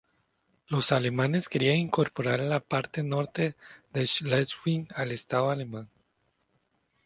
Los alemanes querían incorporar la parte norte de Schleswig al estado alemán.